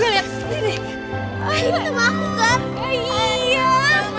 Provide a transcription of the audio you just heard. ternyata aku yang lihat